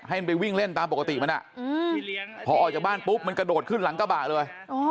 ให้มันไปวิ่งเล่นตามปกติมันพอออกจากบ้านปุ๊บมันกระโดดขึ้นหลังกระบะเลย